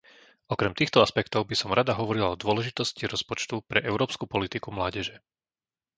Okrem týchto aspektov by som rada hovorila o dôležitosti rozpočtu pre európsku politiku mládeže.